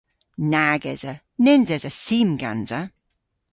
Nag esa. Nyns esa sim gansa.